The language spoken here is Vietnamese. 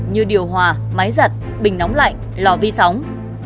như điều hòa máy giặt bình nóng lạnh lò vi sóng